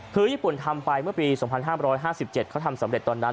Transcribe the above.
คือญี่ปุ่นทำไปเมื่อปี๒๕๕๗เขาทำสำเร็จตอนนั้น